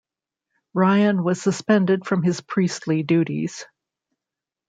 Ryan was suspended from his priestly duties.